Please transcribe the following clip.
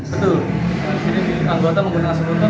betul anggota menggunakan skuter